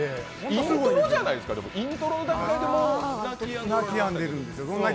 イントロじゃないですか、イントロの段階でもう泣きやんでる。